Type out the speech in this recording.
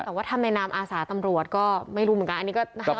แต่ว่าถ้าในนามอาสาตำรวจก็ไม่รู้เหมือนกันอันนี้ก็